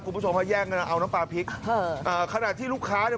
คุณผู้ชมฮะแย่งกันเอาน้ำปลาพริกค่ะอ่าขณะที่ลูกค้าเนี่ย